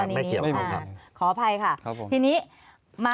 ทั้งข้อที่๔ก็ข้อที่๕นะครับ